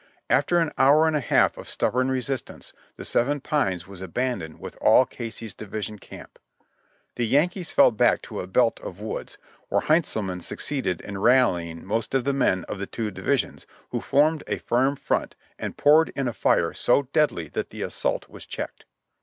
After an hour and a half of stubborn resistance, the Seven Pines was abandoned with all Casey's division camp. The Yankees fell back to a belt of woods, where Heintzelman succeeded in rallying most of the men of the two divisions, who formed a firm front and poured in a fire so deadly that the assault was checked.